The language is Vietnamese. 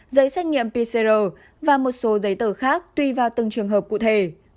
giấy xét nghiệm pcr và một số giấy tờ khác tùy vào từng trường hợp cụ thể